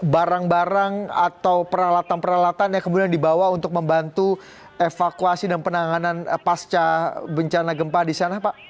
barang barang atau peralatan peralatan yang kemudian dibawa untuk membantu evakuasi dan penanganan pasca bencana gempa di sana pak